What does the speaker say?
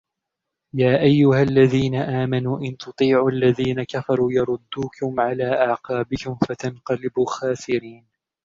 يَا أَيُّهَا الَّذِينَ آمَنُوا إِنْ تُطِيعُوا الَّذِينَ كَفَرُوا يَرُدُّوكُمْ عَلَى أَعْقَابِكُمْ فَتَنْقَلِبُوا خَاسِرِينَ